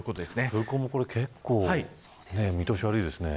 空港も結構見通しが悪いですね。